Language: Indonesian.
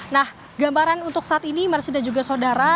nah gambaran untuk saat ini mersi dan juga saudara